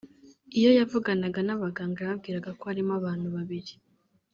Iyo yavuganaga n’abaganga yababwiraga ko arimo abantu babiri